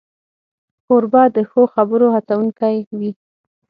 کوربه د ښو خبرو هڅونکی وي.